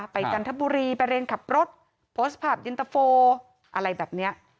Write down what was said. จันทบุรีไปเรียนขับรถโพสต์ภาพเย็นตะโฟอะไรแบบนี้